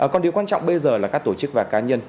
còn điều quan trọng bây giờ là các tổ chức và cá nhân